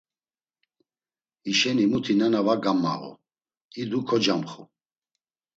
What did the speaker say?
Hişeni muti nena va gammağu, idu kocamxu.